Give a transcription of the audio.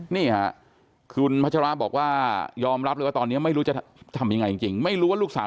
นี่ค่ะคุณฮาชะาระบอกว่ายอมรับเลยว่า